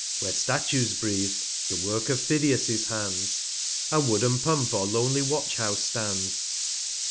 366 Where Statues breath'd, the Work of Phidias' Hands, A wooden Pump, or lonely Watch house stands.